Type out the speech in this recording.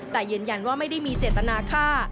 แต่ยืนยันว่าไม่ได้มีเจตนาฆ่า